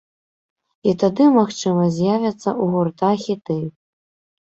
І тады, магчыма, з'явяцца ў гурта хіты.